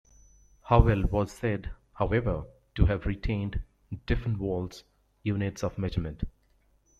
Hywel was said, however, to have retained Dyfnwal's units of measurement.